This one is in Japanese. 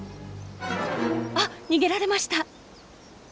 あっ逃げられました！